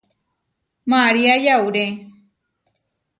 María yauré.